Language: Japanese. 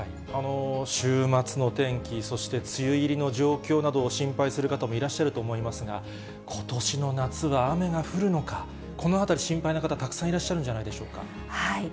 週末の天気、そして梅雨入りの状況などを心配する方もいらっしゃると思いますが、ことしの夏は雨が降るのか、このあたり、心配な方、たくさんいらっしゃるんじゃないでしょうか。